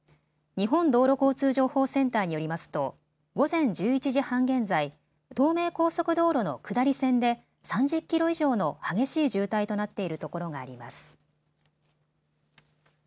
日本道路交通情報センターによりますと午前１１時半現在、東名高速道路の下り線で３０キロ以上の激しい渋滞となっているところがあります。